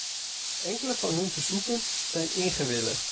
Enkele van hun verzoeken zijn ingewilligd.